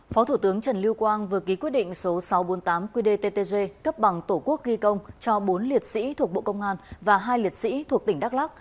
phó thủ tướng trần lưu quang vừa ký quyết định số sáu trăm bốn mươi tám qdttg cấp bằng tổ quốc ghi công cho bốn liệt sĩ thuộc bộ công an và hai liệt sĩ thuộc tỉnh đắk lắc